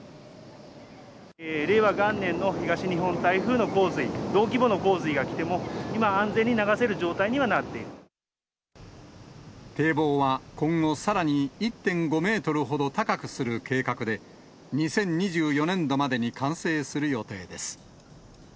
令和元年の東日本台風の洪水、同規模の洪水が来ても、今、堤防は今後、さらに１．５メートルほど高くする計画で、２０２４年度までに完成する予定です。